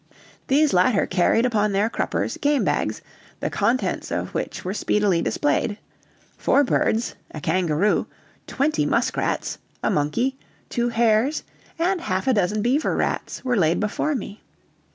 These latter carried upon their cruppers game bags, the contents of which were speedily displayed; four birds, a kangaroo, twenty muskrats, a monkey, two hares, and half a dozen beaver rats, were laid before me.